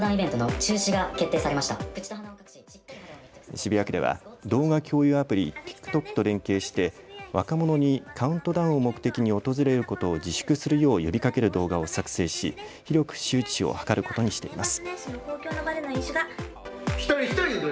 渋谷区では動画共有アプリ、ＴｉｋＴｏｋと連携して若者にカウントダウンを目的に訪れることを自粛するよう呼びかける動画を作成し広く周知を図ることにしています。